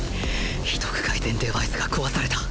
秘匿回線デバイスが壊された！